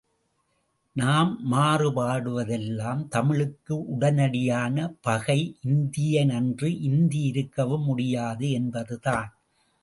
நாம் மாறுபடுவதெல்லாம் தமிழுக்கு உடனடியான பகை இந்தியன்று இந்தி இருக்கவும் முடியாது என்பதுதான்.